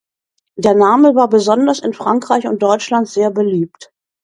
Der Name war besonders in Frankreich und Deutschland sehr beliebt.